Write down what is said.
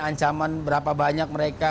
ancaman berapa banyak mereka